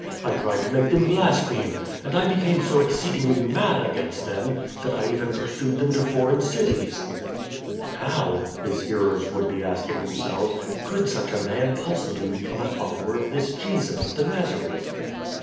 I tried to make them blaspheme. And I became so exceedingly mad against them that I even pursued them to foreign cities." " How," his hearers would be asking themselves, " could such a man possibly become a follower of this Jesus, the Nazarene ?